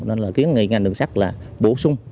nên là kiến nghị ngành đường sắt là bổ sung